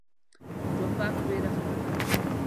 توپک ویره خپروي.